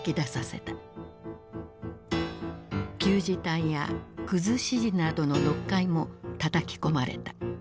旧字体やくずし字などの読解もたたき込まれた。